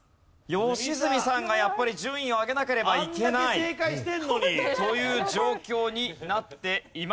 良純さんがやっぱり順位を上げなければいけないという状況になっています。